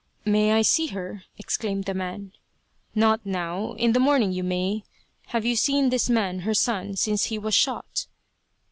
"May I see her?" exclaimed the man. "Not now. In the morning you may. Have you seen this man, her son, since he was shot?"